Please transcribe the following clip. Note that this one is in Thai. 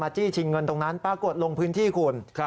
จี้ชิงเงินตรงนั้นปรากฏลงพื้นที่คุณ